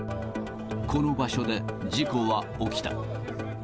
この場所で、事故は起きた。